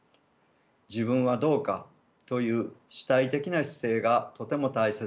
「自分はどうか」という主体的な姿勢がとても大切だと思います。